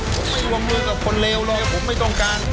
ผมไม่รวมมือกับคนเลวเลยผมไม่ต้องการ